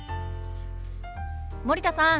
森田さん